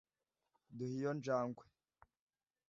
duhe iyo njangwe